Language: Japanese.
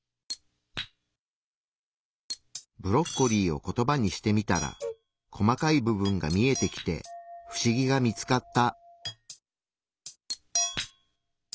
ブロッコリーをコトバにしてみたら細かい部分が見えてきて不思議が見つかった。